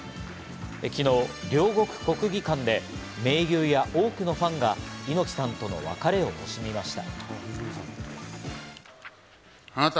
昨日、両国国技館で盟友や多くのファンが猪木さんとの別れを惜しみました。